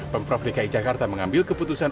pemprov dki jakarta mengambil keputusan